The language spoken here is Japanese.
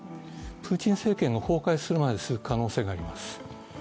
プーチン政権が崩壊するまで続く可能性があります。